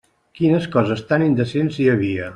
Quines coses tan indecents hi havia!